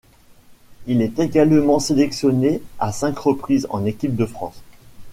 Il est également sélectionné à cinq reprises en équipe de France.